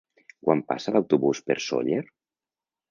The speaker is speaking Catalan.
Quan passa l'autobús per Sóller?